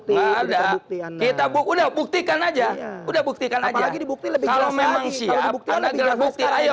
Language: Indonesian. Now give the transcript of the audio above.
nggak ada kita buktikan saja udah buktikan saja kalau memang siap anda gelar bukti ayo